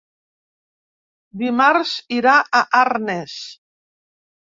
Dimarts irà a Arnes.